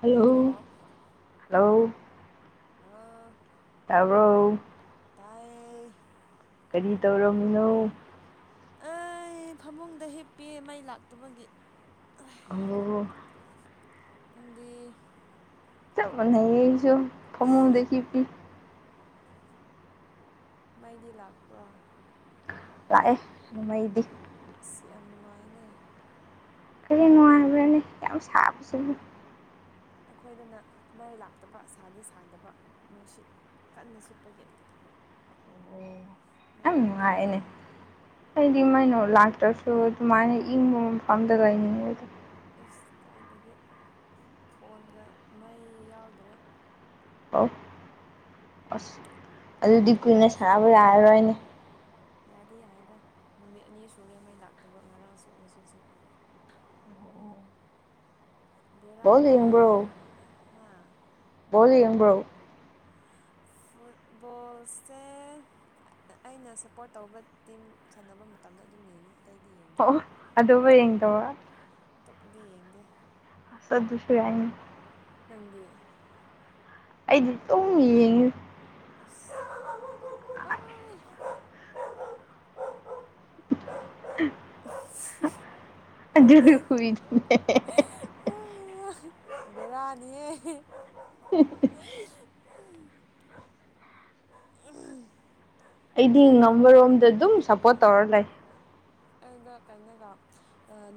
Hello hello ꯑꯥ ꯇꯥꯕꯔꯣ ꯇꯥꯏ ꯌꯦ ꯀꯔꯤ ꯇꯧꯔꯝꯃꯤꯅꯣ ꯑꯩ ꯐꯃꯨꯡꯗ ꯍꯤꯞꯄꯤꯌꯦ ꯃꯩ ꯂꯥꯛꯇꯕꯒꯤ ꯑꯣ ꯅꯪꯗꯤ ꯆꯞ ꯃꯥꯟꯅꯩ ꯌꯦ ꯑꯩꯁꯨ ꯐꯥꯃꯨꯡꯗ ꯍꯤꯞꯄꯤ ꯃꯩꯗꯤ ꯂꯥꯛꯄꯔꯣ ꯂꯥꯛꯑꯦ ꯃꯩ ꯗꯤ ꯏꯁ ꯌꯥꯝ ꯅꯨꯡꯉꯥꯏꯅꯦ ꯀꯔꯤ ꯅꯨꯡꯉꯥꯏꯕꯔꯥꯅꯦ ꯌꯥꯝ ꯁꯥꯕꯁꯤꯕꯨ ꯑꯩꯈꯣꯏꯗꯅ ꯃꯩ ꯂꯥꯛꯇꯕ ꯁꯥꯗꯤ ꯁꯥꯗꯕ ꯅꯨꯡꯁꯤꯠ ꯀꯟꯅ ꯁꯤꯠꯄꯒꯤ ꯃꯩ ꯂꯥꯛꯇꯦ ꯑꯩꯗꯤ ꯃꯩ ꯂꯥꯛꯇ꯭ꯔꯁꯨ ꯑꯗꯨꯃꯥꯏꯅ ꯏꯪꯕ ꯃꯐꯝꯗ ꯂꯩꯅꯤꯡꯉꯦ ꯏꯁ ꯀꯥꯏꯗꯒꯤ ꯐꯣꯟꯒ ꯃꯩ ꯌꯥꯎꯗ꯭ꯔꯦ ꯑꯣ ꯑꯁ ꯑꯗꯨꯗꯤ ꯀꯨꯏꯅ ꯁꯥꯟꯅꯕ ꯌꯥꯔꯔꯣꯏꯅꯦ꯫ ꯌꯥꯗꯤ ꯌꯥꯏꯗ ꯅꯨꯃꯤꯠ ꯑꯅꯤ ꯁꯨꯔꯦ ꯃꯩ ꯂꯥꯛꯇꯕ ꯉꯁꯤꯁꯨ ꯉꯔꯥꯡꯁꯨ꯫ ꯕꯦꯔꯥꯅꯦꯍꯦ ꯍꯥ꯫ ꯕꯣꯜ ꯌꯦꯡꯕ꯭ꯔꯣ? ꯐꯨꯠꯕꯣꯜꯁꯦ, ꯑꯩꯅ ꯁꯞꯄꯣꯔ꯭ꯠ ꯇꯧꯕ ꯇꯤꯝ ꯁꯥꯟꯅꯕ ꯃꯇꯝꯗ ꯑꯗꯨꯝ ꯌꯦꯡꯉꯤ꯫ ꯑꯇꯩꯗꯤ ꯌꯦꯡꯗꯦ ꯑꯇꯣꯞꯄꯗꯤ ꯌꯦꯡꯗꯦ꯫ ꯑꯗꯨꯁꯨ ꯌꯥꯏꯅꯦ꯫ ꯅꯪꯗꯤ? ꯑꯩꯗꯤ ꯑꯗꯨꯝ ꯌꯦꯡꯉꯦ꯫ ꯑꯁ꯫ [unintelligible] [inaudible] ꯑꯗꯨꯒꯤ ꯍꯨꯏꯗꯨꯅꯦ꯫ ꯕꯦꯔꯥꯅꯤꯍꯦ꯫ [unintelligible] [unintelligible] ꯑꯩꯗꯤ ꯉꯝꯕ ꯔꯣꯝꯗ ꯑꯗꯨꯝ ꯁꯞꯄꯣꯔ꯭ꯠ ꯇꯧꯔ ꯂꯩ꯫ ꯑꯗꯣ ꯀꯩꯅꯣꯒ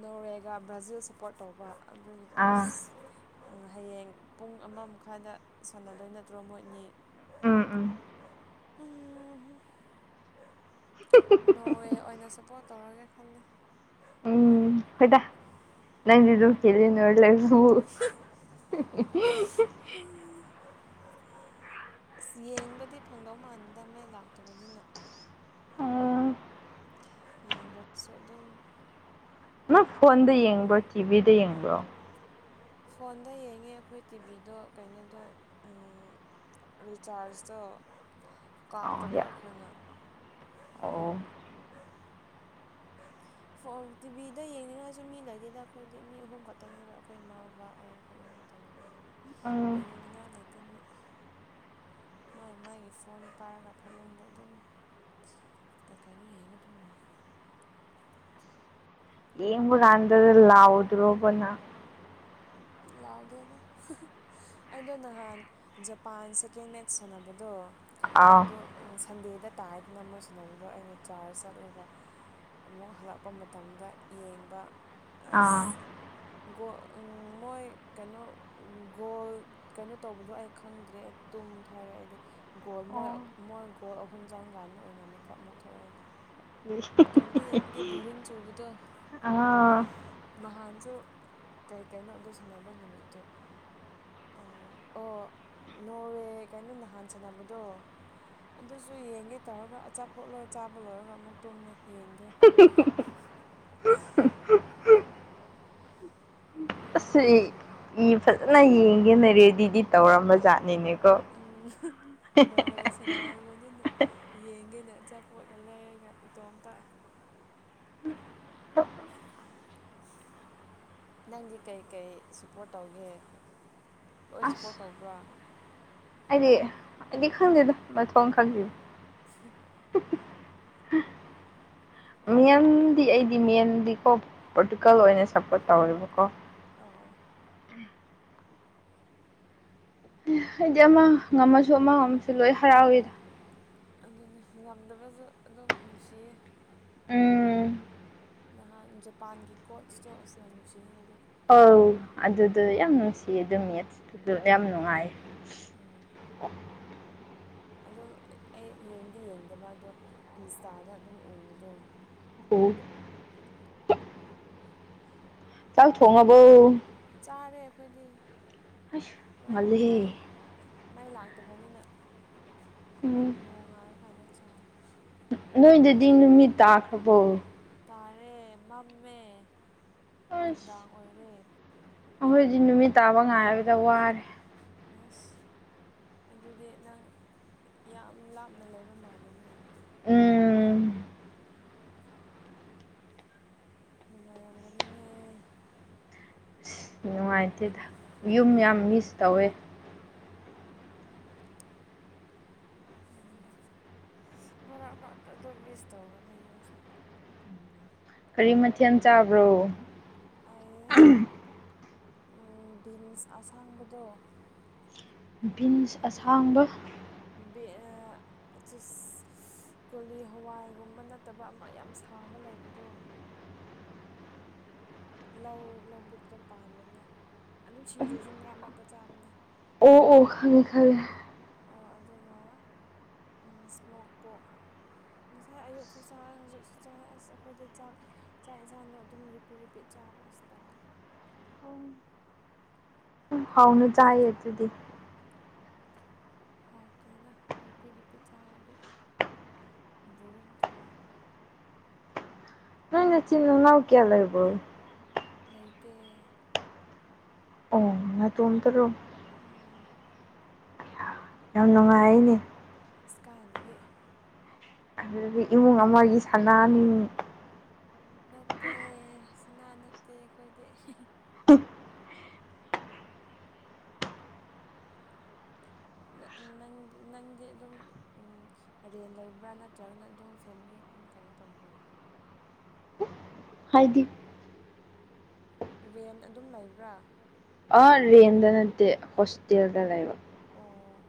ꯅꯣꯔꯋꯦꯒ ꯕ꯭ꯔꯥꯖꯤꯜ ꯁꯞꯄꯣꯔ꯭ꯠ ꯇꯧꯕ꯫ ꯑꯗꯨꯒꯤ ꯑꯁ꯫ ꯎꯝ ꯍꯌꯦꯡ ꯄꯨꯡ ꯑꯃ ꯃꯈꯥꯏꯗ ꯁꯥꯟꯅꯗꯣꯏ ꯅꯠꯇ꯭ꯔꯣ ꯃꯣꯏꯅꯤ? ꯅꯣꯔꯋꯦ ꯑꯣꯏꯅ ꯁꯞꯄꯣꯔ꯭ꯠ ꯇꯧꯔꯒꯦ ꯈꯜꯂꯦ꯫ ꯍꯣꯏꯗ ꯅꯪꯖꯤꯁꯨ ꯍꯦꯂꯦꯜ ꯑꯣꯏꯔ ꯂꯩꯗꯨꯕꯨ꯫ [unintelligible] ꯑꯁ ꯌꯦꯡꯕꯗꯤ ꯐꯪꯗꯧ ꯃꯥꯟꯗ ꯃꯩ ꯂꯥꯛꯇꯕꯅꯤꯅ꯫ ꯑꯣ ꯌꯦꯡꯗ꯭ꯔꯁꯨ ꯑꯗꯨꯝ, ꯅꯪ ꯐꯣꯟꯗ ꯌꯦꯡꯕ꯭ꯔꯣ, ꯇꯤꯚꯤꯗ ꯌꯦꯡꯕ꯭ꯔꯣ? ꯐꯣꯟꯗ ꯌꯦꯡꯉꯦ ꯑꯩꯈꯣꯏ ꯇꯤꯚꯤꯗꯣ ꯀꯩꯅꯣꯗꯣ ꯑꯝ, ꯔꯤꯆꯥꯔꯖꯇꯣ ꯀꯥꯞꯇꯕ ꯑꯈꯣꯏꯅ꯫ ꯑꯣ꯫ ꯇꯤꯚꯤꯗꯣ ꯌꯦꯡꯅꯤꯡꯉꯁꯨ ꯃꯤꯁꯨ ꯂꯩꯗꯦꯗ ꯑꯈꯣꯏꯗꯤ ꯃꯤ ꯑꯍꯨꯝ ꯈꯛꯇꯅꯦꯕ ꯑꯈꯣꯏ ꯃꯃꯥ, ꯕꯕꯥ, ꯑꯩ꯫ ꯈꯣꯏ ꯑꯍꯨꯝ ꯈꯛꯇꯅꯦꯕ ꯌꯦꯡꯅꯤꯉꯥꯏ ꯂꯩꯇꯦ ꯃꯤ꯫ ꯃꯥꯏ ꯃꯥꯒꯤ ꯐꯣꯟ ꯄꯥꯏꯔꯒ ꯐꯃꯨꯡꯗ ꯑꯗꯨꯝ꯫ ꯀꯩ ꯀꯩꯅꯣ ꯌꯦꯡꯉ ꯑꯗꯨꯝ ꯂꯩꯌꯦ꯫ ꯌꯦꯡꯕ ꯀꯟꯗ ꯂꯥꯎꯗ꯭ꯔꯣꯕ ꯅꯪ? ꯂꯥꯎꯗꯦꯗ꯫ ꯑꯩꯗꯣ ꯅꯍꯥꯟ ꯖꯄꯥꯟ ꯁꯦꯀꯦꯟ ꯃꯦꯠꯆ ꯁꯥꯟꯅꯕꯗꯣ ꯑꯗꯣ, ꯁꯟꯗꯦꯗ ꯇꯥꯏꯔꯗꯅ ꯃꯣꯏ ꯁꯨꯅꯕꯗꯣ ꯑꯩꯗꯣ ꯆꯔ꯭ꯆ ꯆꯠꯂꯒ, ꯑꯃꯨꯛ ꯍꯜꯂꯛꯄ ꯃꯇꯝꯗ ꯌꯦꯡꯕ꯫ ꯑꯁ ꯒꯣꯜ ꯃꯣꯏ ꯀꯩꯅꯣ ꯒꯣꯜ, ꯀꯩꯅꯣ ꯇꯧꯕꯗꯣ ꯑꯩ ꯈꯪꯗ꯭ꯔꯦ ꯇꯨꯝꯊꯔꯦ ꯑꯩꯗꯤ꯫ ꯒꯣꯜ ꯃꯣꯏ ꯃꯣꯏ ꯒꯣꯜ ꯑꯍꯨꯝ ꯆꯪꯀꯥꯟꯗ ꯑꯣꯏꯅ ꯃꯤꯀꯞ ꯑꯃꯨꯛ ꯊꯣꯛꯑꯦ ꯑꯩꯗꯤ꯫ ꯏꯇꯣꯝꯇ ꯌꯦꯡꯕꯒꯤ ꯕꯣꯔꯤꯡ ꯆꯨꯕꯗꯣ꯫ ꯑꯥ꯫ ꯅꯍꯥꯟꯁꯨ ꯀꯩ ꯀꯩꯅꯣ ꯑꯗꯨ ꯁꯥꯟꯅꯕ ꯅꯨꯃꯤꯠꯇꯨ ꯎꯝ ꯑꯣ ꯅꯣꯔꯋꯦ ꯀꯩꯅꯣ ꯅꯍꯥꯟ ꯁꯥꯟꯅꯕꯗꯣ ꯑꯗꯨꯁꯨ ꯌꯦꯡꯒꯦ ꯇꯧꯔꯒ ꯑꯆꯥꯄꯣꯠ ꯂꯣꯏ ꯆꯥꯕ ꯂꯣꯏꯔꯒ ꯑꯃꯨꯛ ꯇꯨꯝꯃꯦ ꯌꯦꯡꯗꯦ [unintelligible] ꯕꯦꯔꯥꯅꯦ ꯏ ꯐꯖꯅ ꯌꯦꯡꯒꯦꯅ ꯔꯦꯗꯤꯗꯤ ꯇꯧꯔꯝꯕ ꯖꯥꯠꯅꯤꯅꯦꯀꯣ ꯎꯝ ꯅꯣꯔꯋꯦ ꯁꯟꯅꯔꯕꯅꯤꯅ ꯌꯦꯡꯒꯦꯅ ꯑꯆꯥꯄꯣꯠꯒ ꯂꯩꯔꯒ ꯏꯇꯣꯝꯇ ꯑ ꯅꯪꯗꯤ ꯀꯩꯀꯩ ꯁꯞꯄꯣꯔꯇ ꯇꯧꯒꯦ ꯂꯣꯏ ꯁꯞꯄꯣꯔꯠ ꯇꯧꯕ꯭ꯔꯥ ꯑꯩꯗꯤ ꯑꯩꯗꯤ ꯈꯪꯗꯦꯗ ꯃꯊꯣꯡ ꯈꯪꯗꯦ ꯃꯤꯌꯝꯗꯤ ꯑꯩꯗꯤ ꯃꯦꯟꯗꯤꯀꯣ ꯄꯣꯂꯤꯇꯤꯀꯦꯜ ꯑꯣꯏꯅ ꯁꯞꯄꯣꯔꯠ ꯇꯧꯋꯦꯕꯀꯣ ꯑꯣ ꯍꯥꯏꯗꯤ ꯑꯃ ꯉꯝꯃꯁꯨ ꯑꯃ ꯉꯝꯃꯁꯨ ꯂꯣꯏ ꯍꯔꯥꯎꯋꯤꯗ ꯑꯗꯨꯅ ꯉꯝꯗꯕꯁꯨ ꯑꯗꯨꯝ ꯅꯨꯡꯁꯤꯌꯦ ꯅꯍꯥꯟ ꯖꯄꯥꯟꯒꯤ ꯀꯣꯠꯁꯇꯣ ꯑꯁ ꯌꯥꯝ ꯅꯨꯡꯁꯤꯉꯦ ꯑꯩꯗꯤ ꯑꯧ ꯑꯗꯨꯗꯣ ꯌꯥꯝ ꯅꯨꯡꯁꯤꯌꯦ ꯑꯗꯨ ꯃꯦꯠꯁꯇꯨ ꯌꯥꯝ ꯅꯨꯡꯉꯥꯏ ꯑꯥ ꯑꯗꯨꯝ ꯑꯩ ꯌꯦꯡꯗꯤ ꯌꯦꯡꯗꯕ ꯑꯗꯣ ꯏꯟꯁꯇꯥꯗ ꯑꯗꯨꯝ ꯎꯕꯗꯣ ꯑꯣ ꯆꯥꯛ ꯊꯣꯡꯉꯕꯣ ꯆꯥꯔꯦ ꯑꯩꯈꯣꯏꯗꯤ ꯃꯩ ꯃꯩ ꯃꯩ ꯂꯥꯛꯇꯕꯅꯤꯅ ꯅꯣꯡꯉꯥꯜꯂ ꯀꯥꯟꯗ ꯆꯥꯔꯦ ꯅꯣꯏꯗꯗꯤ ꯅꯨꯃꯤꯠ ꯇꯥꯈ꯭ꯥꯔꯕꯣ ꯇꯥꯔꯦ ꯃꯝꯃꯦ ꯅꯨꯡꯗꯥꯡ ꯑꯣꯏꯔꯦ ꯑꯩꯈꯣꯏꯗꯤ ꯅꯨꯃꯤꯠ ꯇꯥꯕ ꯉꯥꯏꯕꯗ ꯋꯥꯔꯦ ꯍꯦꯁ ꯑꯗꯨꯗꯤ ꯅꯪ ꯌꯥꯝ ꯂꯥꯞꯅ ꯂꯩꯕ ꯃꯥꯜꯂꯦꯅꯦ ꯅꯨꯡꯉꯥꯏꯔꯝꯒꯅꯤꯅꯦ ꯅꯨꯡꯉꯥꯏꯇꯦꯗ ꯌꯨꯝ ꯌꯥꯝ ꯃꯤꯁ ꯇꯧꯋꯦ ꯎꯝ ꯃꯔꯛ ꯃꯔꯛꯇ ꯑꯗꯨ ꯃꯤꯁ ꯊꯧꯕꯅꯦꯁꯨ ꯌꯨꯝꯁꯨ ꯀꯔꯤ ꯃꯊꯦꯟ ꯆꯥꯕ꯭ꯔꯣ ꯎꯝ ꯕꯤꯟꯁ ꯑꯁꯥꯡꯕꯗꯣ ꯕꯤꯟꯁ ꯑꯁꯥꯡꯕ ꯕꯤ ꯑꯥ ꯆꯤꯁ ꯀꯨꯂꯤ ꯍꯋꯥꯏꯒꯨꯝꯕ ꯅꯠꯇꯕ ꯑꯃ ꯌꯥꯝ ꯁꯥꯡꯕ ꯂꯩꯕꯗꯣ ꯂꯧ ꯂꯧꯕꯨꯛꯇ ꯄꯥꯟꯕꯅꯦ ꯑꯗꯨꯝ ꯁꯤꯡꯖꯨꯁꯨ ꯃꯔꯛ ꯃꯔꯛꯇ ꯆꯥꯕꯅꯦ ꯑꯣ ꯑꯣ ꯈꯪꯉꯦ ꯈꯪꯉꯦ ꯑꯥ ꯑꯗꯨꯒ ꯎꯝ ꯏꯁꯃꯣꯛꯄꯣꯛ ꯉꯁꯥꯏ ꯑꯌꯨꯛꯁꯨ ꯆꯥꯏ ꯍꯧꯖꯤꯛꯁꯨ ꯆꯥꯏ ꯑꯁ ꯑꯩꯈꯣꯏꯗꯤ ꯆꯥꯛ ꯆꯥꯛ ꯏꯟꯁꯥꯡꯗ ꯑꯗꯨꯝ ꯔꯤꯄꯤ ꯔꯤꯄꯤ ꯄꯤꯠ ꯆꯥꯕ ꯑꯁ ꯇꯜꯂꯦ ꯍꯥꯎꯅ ꯆꯥꯏꯌꯦ ꯑꯗꯨꯗꯤ ꯍꯥꯎꯇꯦꯗ ꯔꯤꯄꯤꯠ ꯔꯤꯄꯤꯠ ꯆꯥꯔꯗꯤ ꯕꯨꯔꯤꯡ ꯆꯨꯋꯦ ꯅꯣꯏ ꯅꯆꯤꯟ ꯅꯅꯥꯎ ꯀꯌꯥ ꯂꯩꯕ꯭ꯔꯣ ꯂꯩꯇꯦ꯫ ꯅꯇꯣꯝꯇꯔꯣ꯫ ꯑꯣ ꯌꯥꯝ ꯅꯨꯡꯉꯥꯏꯅꯦ꯫ ꯏꯁ ꯀꯥꯏꯗꯒꯤ꯫ ꯑꯗꯨꯒꯤ꯫ [inaudible] ꯅꯠꯇꯦ ꯁꯨꯅꯥ ꯅꯠꯇꯦ ꯑꯩꯈꯣꯏꯗꯤ [unintelligible] [unintelligible] ꯅ ꯅꯪ ꯅꯪꯗꯤ ꯑꯗꯨꯝ ꯎꯝ ꯔꯦꯟ ꯂꯩꯕ꯭ꯔꯥ ꯅꯠꯇ꯭ꯔꯒꯅ ꯑꯗꯨꯝ ꯐꯦꯃꯤꯂꯤ ꯀꯩꯅꯣ ꯇꯧꯕ꯭ꯔꯥ꯫ ꯍꯥꯏꯗꯤ꯫ ꯔꯦꯟ ꯑꯗꯨꯝ ꯂꯩꯕ꯭ꯔꯥ꯫ ꯑꯥ ꯔꯦꯟꯗ ꯅꯠꯇꯦ ꯍꯣꯁꯇꯦꯜꯗ ꯂꯩꯕ꯫ ꯑꯣ꯫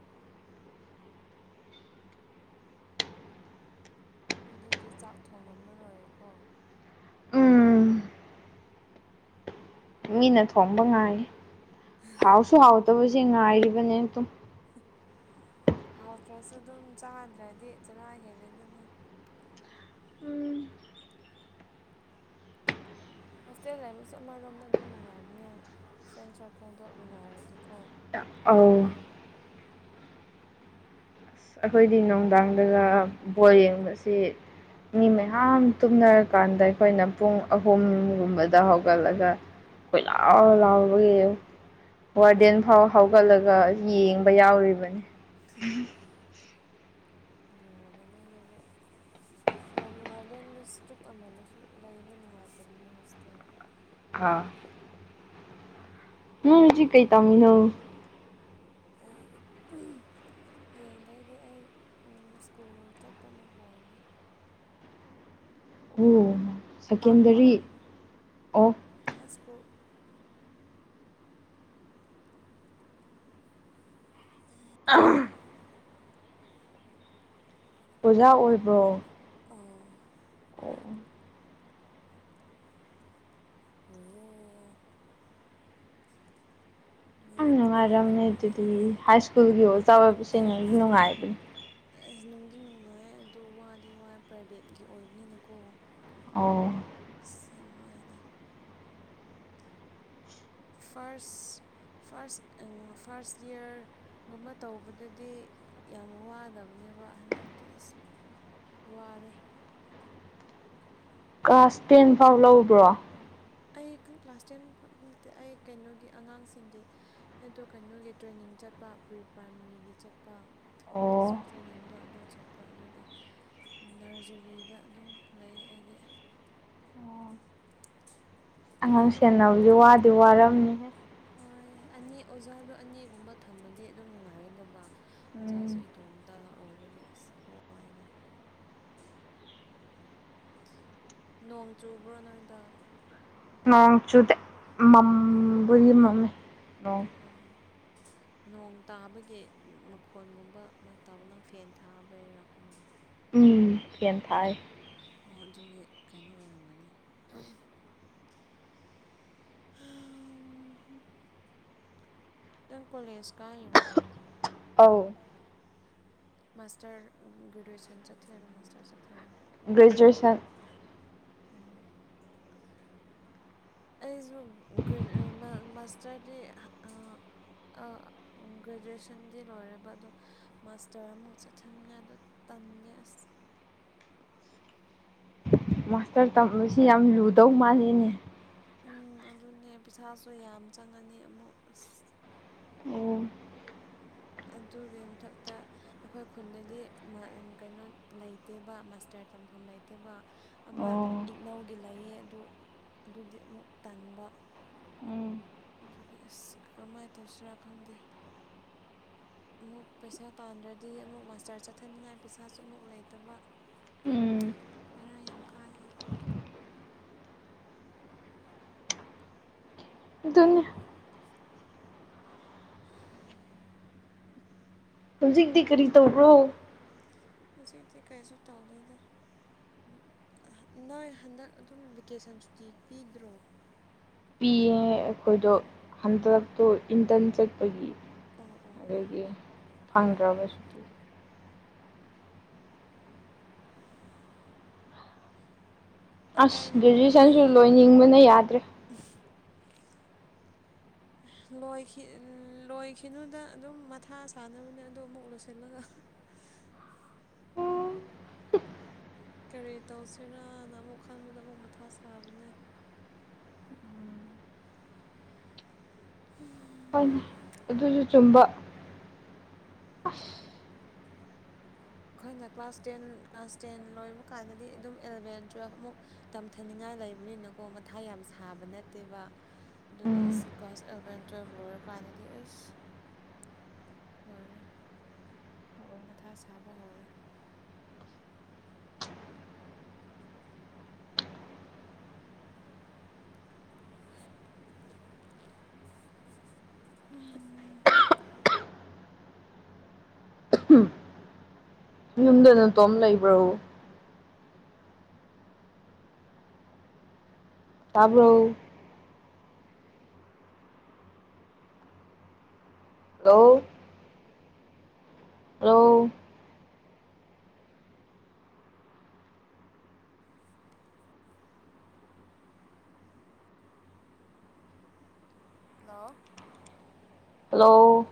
ꯑꯗꯨꯗꯤ ꯆꯥꯛ ꯊꯣꯡꯑꯝꯃꯔꯣꯏꯀꯣ꯫ ꯃꯤꯅ ꯊꯣꯡꯕ ꯉꯥꯏ ꯍꯥꯎꯁꯨ ꯍꯥꯎꯇꯕꯁꯦ ꯉꯥꯏꯔꯤꯕꯅꯦ ꯑꯗꯨꯝ꯫ [unintelligible] ꯍꯥꯎꯇ꯭ꯔꯁꯨ ꯑꯗꯨꯝ ꯆꯥꯗ꯭ꯔꯗꯤ ꯆꯔꯥ ꯍꯦꯜꯂꯦꯗꯅ꯫ ꯍꯣꯁꯇꯦꯜ ꯂꯩꯕꯁꯨ ꯑꯃꯔꯣꯝꯗ ꯑꯗꯨꯝ ꯅꯨꯡꯉꯥꯏꯕꯅꯦ ꯐ꯭ꯔꯦꯟ ꯁꯔꯀꯜꯗꯣ ꯅꯨꯡꯉꯥꯏꯔꯗꯤꯀꯣ꯫ ꯑꯧ꯫ ꯑꯈꯣꯏꯗꯤ ꯅꯨꯡꯗꯥꯡꯗꯒ ꯕꯣꯜ ꯌꯦꯡꯕꯁꯤ ꯃꯤ ꯃꯌꯥꯝ ꯇꯨꯝꯅꯔꯀꯥꯟꯗ ꯑꯈꯣꯏꯅ ꯄꯨꯡ ꯑꯍꯨꯝꯒꯨꯝꯕꯗ ꯍꯧꯒꯠꯂꯒ ꯀꫭꯏ ꯂꯥꯎ ꯂꯥꯎꯕꯒꯤ ꯋꯥꯔꯗꯦꯟ ꯐꯥꯎ ꯍꯧꯒꯠꯂꯒ ꯌꯦꯡꯕ ꯌꯥꯎꯔꯤꯕꯅꯤ [unintelligible] ꯅꯨꯡꯉꯥꯏꯔꯝꯒꯅꯤ ꯗꯨꯗꯤ꯫ [unintelligible] ꯋꯟ ꯋꯥꯔꯗꯦꯟꯗꯨ ꯁꯇ꯭ꯔꯤꯛ ꯑꯣꯏꯃꯜꯂꯁꯨ ꯂꯩꯕ ꯅꯨꯡꯉꯥꯏꯇꯕꯅꯦ ꯍꯣꯁꯇꯦꯜ꯫ ꯑꯥ꯫ ꯅꯪ ꯍꯧꯖꯤ ꯀꯩ ꯇꯥꯝꯃꯤꯅꫭ꯫ ꯑꯩ [unintelligible] ꯍꯌꯦꯡꯗꯩꯗꯤ ꯑꯩ ꯎꯝ ꯁ꯭ꯀꯨꯜ ꯆꯠꯄꯃꯨꯛ ꯍꯧꯔꯅꯤ꯫ ꯎꯝ ꯁꯦꯀꯦꯟꯗꯔꯤ ꯑꯣ꯫ High school. [unintelligible] ꯑꯣꯖꯥ ꯑꯣꯏꯕ꯭ꯔꯣ꯫ ꯑꯧ꯫ ꯑꯣ꯫ ꯍꫭꯏꯌꯦ [unintelligible] ꯃꯤꯒꯤ ꯃꯤꯅꯥꯏ ꯑꯣꯏꯔꯤ [inaudible] ꯑꯁ ꯅꯨꯡꯗꯤ ꯅꯨꯡꯉꯥꯏ ꯑꯗꯣ ꯋꯥꯗꯤ ꯋꯥꯑꯦ ꯄ꯭ꯔꯥꯏꯚꯦꯠꯀꯤ ꯑꯣꯏꯕꯅꯤꯅꯀꯣ꯫ ꯑꯣ꯫ ꯑꯁ ꯌꯥꯝ ꯋꯥꯥꯑꯦꯗ꯫ ꯐꯔꯁ ꯐꯔꯍꯁ ꯑꯟ ꯐꯥꯁ ꯏꯌꯥꯔ ꯒꯨꯝꯕ ꯇꯧꯕꯗꯗꯤ ꯌꯥꯝ ꯋꯥꯗꯕꯅꯦꯕ ꯍꯟꯗꯛꯇꯤ ꯑꯁ꯫ ꯋꯥꯔꯦ꯫ ꯀ꯭ꯂꯥꯁ ꯇꯦꯟ ꯐꯥꯎ ꯂꯧꯕ꯭ꯔꯣ꯫ ꯑꯩ ꯈꯛ ꯀ꯭ꯂꯥꯁ ꯇꯦꯟ ꯐ ꯅꯠꯇꯦ ꯑꯩ ꯀꯩꯅꯣꯒꯤ ꯑꯉꯥꯡꯁꯤꯡꯒꯤ ꯑꯗꯣ ꯀꯩꯅꯣꯒꯤ ꯇ꯭ꯔꯦꯅꯤꯡ ꯆꯠꯄ ꯄ꯭ꯔꯤ ꯄ꯭ꯔꯥꯏꯃꯥꯔꯤꯒꯤ ꯆꯠꯄ ꯇꯤꯆꯔ ꯇ꯭ꯔꯦꯅꯤꯡꯗꯣ ꯑꯗꯨ ꯆꯠꯄ ꯑꯗꯨꯒꯤ ꯅꯔꯖꯔꯤꯗ ꯑꯗꯨꯝ ꯂꯩꯌꯦ ꯑꯩꯗꯤ ꯑꯉꯥꯡ ꯁꯦꯟꯅꯕꯁꯤ ꯋꯥꯗꯤ ꯋꯥꯔꯝꯃꯤ ꯋꯥꯏ ꯑꯅꯤ ꯑꯣꯖꯥꯗꯣ ꯑꯅꯤꯒꯨꯝꯕ ꯊꯝꯃꯗꯤ ꯑꯗꯨꯝ ꯅꯨꯡꯉꯥꯏꯒꯗꯕ ꯑꯣꯖꯥꯁꯨ ꯏꯇꯣꯝꯇ ꯑꯣꯏꯕꯒꯤ ꯑꯁ ꯅꯣꯡ ꯆꯨꯕ꯭ꯔꯣ ꯅꯣꯏꯗ ꯅꯣꯡ ꯆꯨꯗꯦ ꯃꯝꯕꯨꯗꯤ ꯃꯝꯃꯤ ꯅꯣꯡ ꯑꯥꯎ ꯅꯣꯡ ꯇꯥꯕꯒꯤ ꯃꯈꯣꯟꯒꯨꯝꯕ ꯑꯃ ꯇꯥꯕ ꯅꯪ ꯐꯦꯟ ꯊꯥꯕꯩꯔꯥ ꯈꯪꯗꯦ ꯐꯦꯟ ꯊꯥꯏ ꯑꯣ ꯑꯗꯨꯒꯤ ꯀꯩꯅꯣ ꯑꯣꯏꯔꯝꯒꯅꯤ ꯍꯨꯝ ꯅꯪ ꯀꯣꯂꯦꯖ ꯀꯥꯏꯔꯤꯔꯣ ꯑꯧ ꯃꯥꯁꯇꯔ ꯒ꯭ꯔꯦꯖꯨꯌꯦꯁꯟ ꯆꯠꯊꯔꯣ ꯃꯥꯁꯇꯔ ꯆꯠꯊꯔꯣ ꯒ꯭ꯔꯦꯖꯨꯋꯌꯦꯁꯟ ꯑꯝ ꯑꯩꯁꯨ ꯒ꯭ꯔꯦꯖꯨ ꯃꯥꯁ ꯃꯁꯇꯔꯗꯤ ꯑꯥ ꯑꯥ ꯒ꯭ꯔꯦꯖꯨꯑꯦꯁꯟꯗꯤ ꯂꯣꯏꯔꯦꯕ ꯑꯗꯣ ꯃꯥꯁꯇꯔ ꯑꯃꯨꯛ ꯆꯠꯊ ꯅꯤꯉꯥꯏꯗꯨ ꯇꯜꯂꯦ ꯑꯁ ꯃꯥꯁꯇꯔ ꯇꯝꯕꯁꯤ ꯌꯥꯝ ꯂꯨꯗꯧ ꯃꯥꯜꯂꯤꯅꯦ ꯎꯝ ꯑꯗꯨꯅꯦ ꯄꯩꯁꯥꯁꯨ ꯌꯥꯝ ꯆꯪꯉꯅꯤ ꯑꯃꯨꯛ ꯑꯁ ꯑꯗꯨꯒꯤ ꯃꯊꯛꯇ ꯑꯩꯈꯣꯏ ꯈꯨꯟꯗꯗꯤ ꯀꯩꯅꯣ ꯂꯩꯇꯦꯕ ꯃꯥꯁꯇꯔ ꯇꯝꯐꯝ ꯂꯩꯇꯦꯕ ꯑꯃ ꯏꯛꯅꯧꯒꯤ ꯂꯩꯌꯦ ꯑꯗꯨ ꯑꯗꯨꯗꯤ ꯑꯃꯨꯛ ꯇꯟꯕ ꯑꯗꯨꯒꯤ ꯑꯁ ꯀꯔꯝ ꯃꯥꯏꯅ ꯇꯧꯁꯤꯔꯥ ꯈꯪꯗꯦ ꯑꯃꯨꯛ ꯄꯩꯁꯥ ꯇꯥꯟꯗ꯭ꯔꯗꯤ ꯑꯃꯨꯛ ꯃꯥꯁꯇꯔ ꯆꯠꯊꯅꯤꯡꯉꯥꯏ ꯄꯩꯁꯥꯁꯨ ꯑꯃꯨꯛ ꯂꯩꯇꯕ ꯕꯦꯔꯥ ꯌꯥꯝ ꯀꯥꯏ ꯑꯗꯨꯅꯤ ꯎꯝ ꯍꯧꯖꯤꯛꯇꯤ ꯀꯔꯤ ꯇꯧꯕ꯭ꯔꯣ ꯍꯧꯖꯤꯛꯇꯤ ꯀꯩꯁꯨ ꯇꯧꯗꯦꯗ ꯅꯣꯏ ꯍꯟꯗꯛ ꯑꯗꯨꯝ ꯚꯦꯀꯦꯁꯟ ꯁꯨꯇꯤ ꯄꯤꯗ꯭ꯔꯣ ꯄꯤꯌꯦ ꯑꯩꯈꯣꯏꯗꯣ ꯍꯟꯗꯛꯇꯨ ꯏꯟꯇꯔꯟ ꯆꯠꯄꯒꯤ ꯑꯣ ꯑꯣ ꯑꯩꯈꯣꯏꯒꯤ ꯐꯪꯗ꯭ꯔꯕꯁꯨ ꯑꯁ ꯒ꯭ꯔꯦꯖꯨꯌꯦꯁꯟꯁꯨ ꯂꯣꯏꯅꯤꯡꯕꯅ ꯌꯥꯗ꯭ꯔꯦ [unintelligible] [inaudible] ꯂꯣꯏꯈꯤ ꯂꯣꯏꯈꯤꯅꯨꯗ ꯑꯗꯨꯝ ꯃꯊꯥ ꯁꯥꯟꯅꯕꯅꯦ ꯑꯗꯨ ꯑꯃꯨꯛ ꯂꯣꯏꯁꯤꯜꯂꯒ ꯀꯔꯤ ꯇꯧꯁꯤꯔꯥꯅ ꯑꯃꯨꯛ ꯈꯟꯕꯗ ꯑꯃꯨꯛ ꯃꯊꯥ ꯁꯥꯕꯅꯦ ꯍꯝ ꯍꯣꯏꯅꯦ ꯑꯗꯨꯁꯨ ꯆꯨꯝꯕ ꯑꯥꯁ ꯑꯩꯈꯣꯏꯅ ꯀ꯭ꯂꯥꯁ ꯇꯦꯟ ꯀ꯭ꯂꯥꯁ ꯇꯦꯟ ꯂꯣꯏꯕ ꯀꯥꯟꯗꯗꯤ ꯑꯗꯨꯝ ꯑꯦꯂꯚꯦꯟ ꯇꯨꯌꯦꯜꯐ ꯃꯨꯛ ꯇꯝꯊꯅꯤꯡꯉꯥꯏ ꯂꯩꯕꯅꯤꯅꯀꯣ ꯃꯊꯥ ꯌꯥꯝ ꯁꯥꯕ ꯅꯠꯇꯦꯕ ꯑꯗꯨꯒꯥꯁ ꯀꯂ꯭ꯥꯁ ꯑꯦꯂꯦꯕꯦꯟ ꯇꯨꯌꯦꯜꯐ ꯂꯣꯏꯔ ꯀꯥꯟꯗꯗꯤ ꯑꯁ ꯑꯣꯏꯔꯦ ꯃꯊꯥ ꯁꯥꯕ ꯍꯧꯔꯦ ꯍꯥ - ꯍꯥ ꯌꯨꯝꯗ ꯅꯇꯣꯝ ꯂꯩꯕ꯭ꯔꯣ ꯇꯥꯕꯔꯣ [unintelligible] ꯂꯣ ꯂꯣ ꯍꯜꯂꯣ